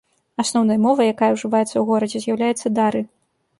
Асноўнай мовай, якая ўжываецца ў горадзе, з'яўляецца дары.